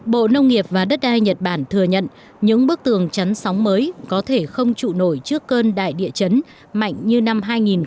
bộ nông nghiệp và đất đai nhật bản thừa nhận những bức tường chắn sóng mới có thể không trụ nổi trước cơn đại địa chấn mạnh như năm hai nghìn một mươi